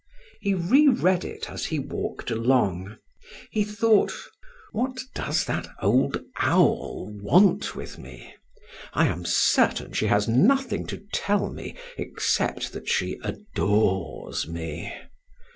He re read it as he walked along. He thought: "What does that old owl want with me? I am certain she has nothing to tell me except that she adores me.